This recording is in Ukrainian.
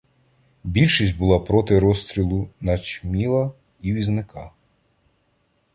Більшість була проти розстрілу начміла і візника.